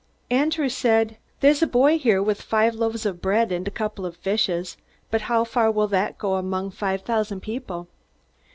Andrew said: "There's a boy here with five loaves of bread and a couple of fishes. But how far will that go among five thousand people?"